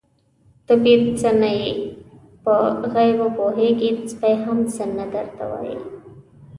_ته بې څه نه يې، په غيبو پوهېږې، سپی هم څه نه درته وايي.